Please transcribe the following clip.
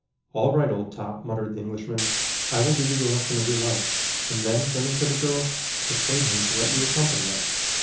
"All right, old top," muttered the Englishman, "I will give you the lesson of your life," and then turning to the girl: "Persuade him to let you accompany us.